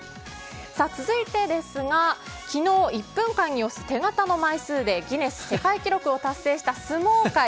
続いて、昨日１分間に押す手形の枚数でギネス世界記録を達成した相撲界。